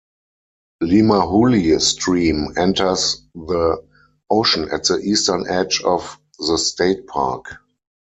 Limahuli Stream enters the ocean at the eastern edge of the state park.